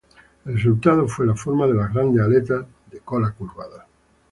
El resultado fue la forma de las grandes aletas de cola curvadas.